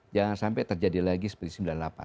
jangan sampai terjadi lagi seperti sembilan puluh delapan